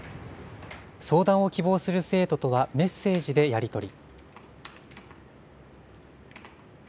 相談を希望する生徒とはメッセージでやり取り。